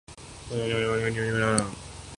تو کچھ نیب کی۔